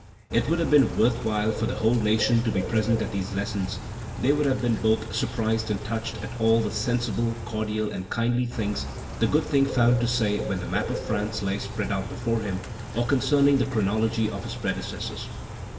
"It would have been worth while for the whole nation to be present at these lessons; they would have been both surprised and touched at all the sensible, cordial, and kindly things the good King found to say when the map of France lay spread out before him, or concerning the chronology of his predecessors.